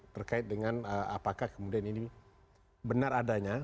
terkait dengan apakah kemudian ini benar adanya